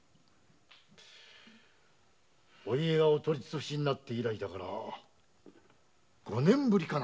お家がお取り潰しになって以来だから五年ぶりかな？